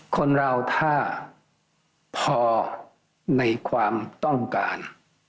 คนเราถ้าพอในความต้องการ